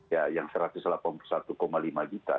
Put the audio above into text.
ya yang satu ratus delapan puluh satu lima juta